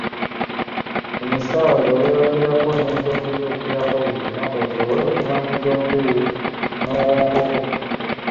Funa essaawa zeweebakirako n'ezokuzuukukirako buli lunaku osobole okumanyiiza omubiri n'obwongo bwo.